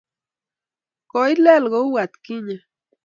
koileel kou atkinye